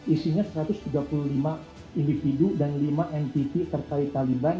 isinya satu ratus tiga puluh lima individu dan lima mpv terkait taliban